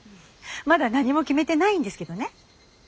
まだ何も決めてないんですけどね。